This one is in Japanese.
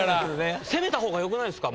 攻めた方がよくないですか？